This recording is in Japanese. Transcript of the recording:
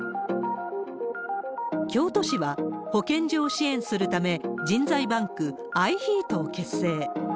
京都市は、保健所を支援するため、人材バンク、ＩＨＥＡＴを結成。